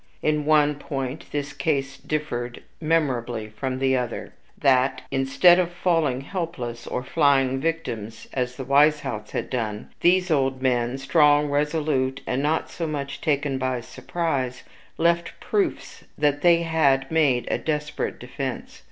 In one point this case differed memorably from the other that, instead of falling helpless, or flying victims (as the Weishaupts had done), these old men, strong, resolute, and not so much taken by surprise, left proofs that they had made a desperate defense.